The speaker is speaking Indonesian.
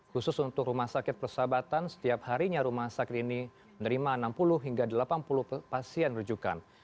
khusus untuk rumah sakit persahabatan setiap harinya rumah sakit ini menerima enam puluh hingga delapan puluh pasien rujukan